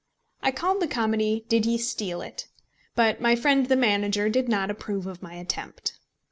I called the comedy Did He Steal It? But my friend the manager did not approve of my attempt.